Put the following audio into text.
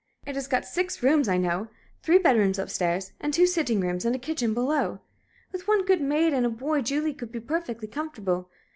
It has got six rooms, I know three bedrooms up stairs, and two sitting rooms and a kitchen below. With one good maid and a boy Julie could be perfectly comfortable.